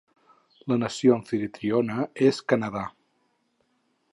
La nació amfitriona és Canadà.